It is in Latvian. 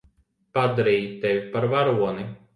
Padarīju tevi par varoni.